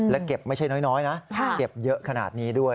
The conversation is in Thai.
และเก็บไม่ใช่น้อยนะเก็บเยอะขนาดนี้ด้วย